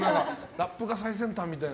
ラップが最先端みたいな。